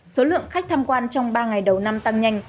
số lượng khách tham quan trong ba ngày đầu năm tăng nhanh